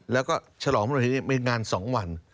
แล้วก็ชะลองพระบรมอัตฑิตนี้มีงานสองวัน